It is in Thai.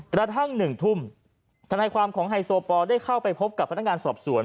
กระทั่ง๑ทุ่มธนายความของไฮโซปอลได้เข้าไปพบกับพนักงานสอบสวน